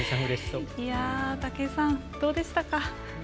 武井さん、どうでしたか。